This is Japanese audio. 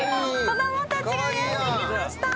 子供たちがやって来ました。